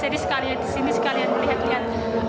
jadi sekalian di sini sekalian melihat lihat